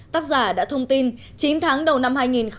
tác giả đã thông tin chín tháng đầu năm hai nghìn một mươi bảy